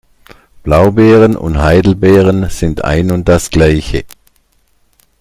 Blaubeeren und Heidelbeeren sind ein und das Gleiche.